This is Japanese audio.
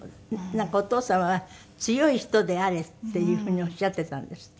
なんかお父様は「強い人であれ」っていうふうにおっしゃっていたんですって？